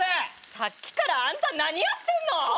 さっきからあんた何やってんの！はあ！？